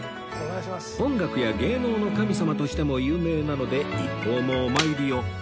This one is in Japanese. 音楽や芸能の神様としても有名なので一行もお参りを